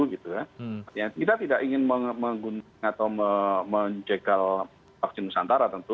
kita tidak ingin mengegel vaksin nusantara tentu